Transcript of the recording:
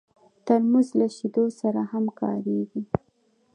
ترموز له شیدو سره هم کارېږي.